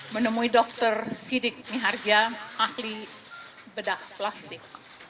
menemui dokter siddiq niharja ahli bedah plastik